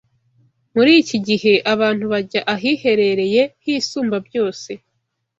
Muri iki gihe abantu bajya ahiherereye h’Isumbabyose